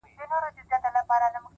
پوهه د ذهن افق ته رڼا ورکوي’